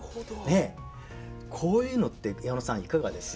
ねっこういうのって矢野さんいかがです？